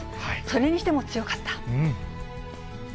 それにしても強かった。